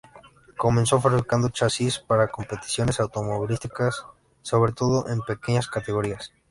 Comenzó fabricando chasis para competiciones automovilísticas, sobre todo en pequeñas categorías.